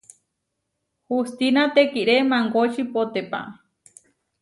Hustína tekiré mangóči potepá.